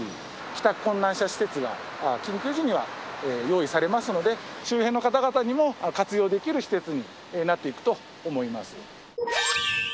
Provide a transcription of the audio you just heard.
帰宅困難者施設が緊急時には用意されますので、周辺の方々にも活用できる施設になっていくと思います。